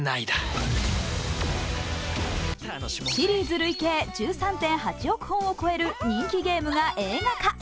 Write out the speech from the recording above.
シリーズ累計１３．８億本を超える人気ゲームが映画化。